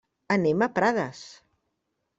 Anem a Prades.